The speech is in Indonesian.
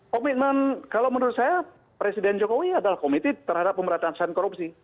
komitmen kalau menurut saya presiden jokowi adalah komited terhadap pemberantasan korupsi